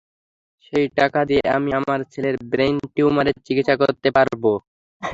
সেই টাকা দিয়ে আমি আমার ছেলের ব্রেইন টিউমারের, চিকিৎসা করাতে পারব।